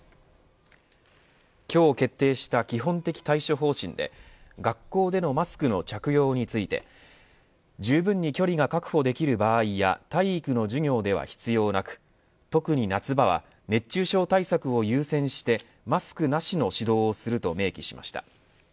今日決定した基本的対処方針で学校でのマスクの着用についてじゅうぶんに距離が確保できる場合や体育の授業では必要なく特に夏場は熱中症対策を優先してマスクなしの指導をすると明記しました。